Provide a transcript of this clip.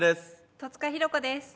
戸塚寛子です。